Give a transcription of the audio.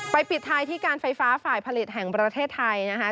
ปิดท้ายที่การไฟฟ้าฝ่ายผลิตแห่งประเทศไทยนะคะ